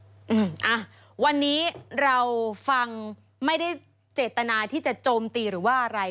อืมอ่ะวันนี้เราฟังไม่ได้เจตนาที่จะโจมตีหรือว่าอะไร